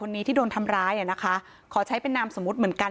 วันนี้ที่โดนทำร้ายอ่ะนะคะขอใช้เป็นนามสมมุติเหมือนกัน